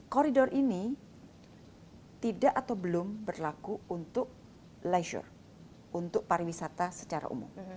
koridor ini tidak atau belum berlaku untuk leisure untuk pariwisata secara umum